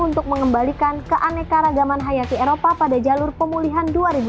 untuk mengembalikan keanekaragaman hayati eropa pada jalur pemulihan dua ribu dua puluh